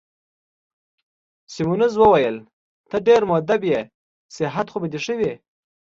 سیمونز وویل: ته ډېر مودب يې، صحت خو به دي ښه وي؟